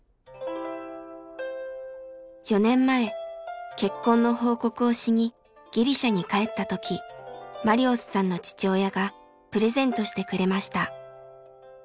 ４年前結婚の報告をしにギリシャに帰った時マリオスさんの父親がプレゼントしてくれました。